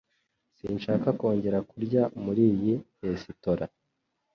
Sinshaka kongera kurya muri iyi resitora.